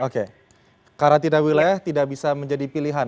oke karantina wilayah tidak bisa menjadi pilihan